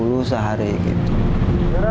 dara dara dara dara dara